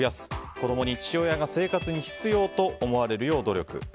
子供に父親が生活に必要と思われるよう努力。